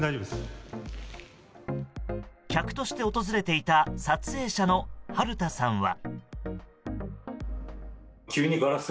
客として訪れていた撮影者の春田さんは。